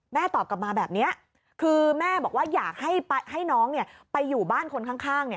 ตอบกลับมาแบบนี้คือแม่บอกว่าอยากให้น้องไปอยู่บ้านคนข้าง